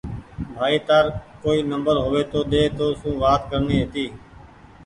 ڀآئي تآر ڪوئي نمبر هووي تو تونٚ سون وآت ڪرڻي هيتي